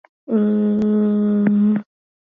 Walipata msaada kutoka kwa serikali